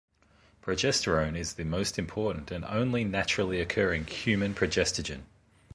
Progesterone is the most important and only naturally occurring human progestogen.